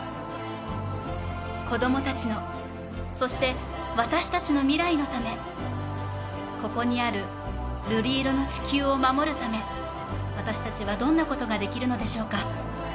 子供たちの、そして私たちの未来のため、ここにある瑠璃色の地球を守るため、私たちはどんなことができるのでしょうか。